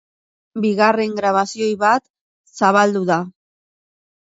Bigarren grabazio bat zabaldu da.